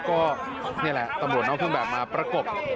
ก็นี่แหละตำรวจนอกเครื่องแบบมาประกบ